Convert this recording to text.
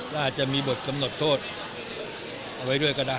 อาจจะมีบทกำหนดโทษเอาไว้ด้วยก็ได้